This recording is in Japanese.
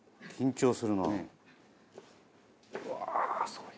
うわーすごい。